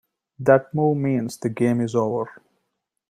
That move means the game is over.